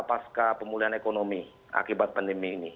pasca pemulihan ekonomi akibat pandemi ini